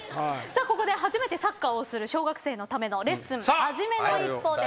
ここで初めてサッカーをする小学生のためのレッスンはじめの一歩です。